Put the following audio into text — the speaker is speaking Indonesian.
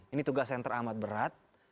ini tugas senter amat berat